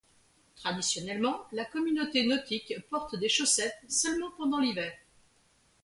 Traditionnellement, la communauté nautique porte des chaussettes seulement pendant l'hiver.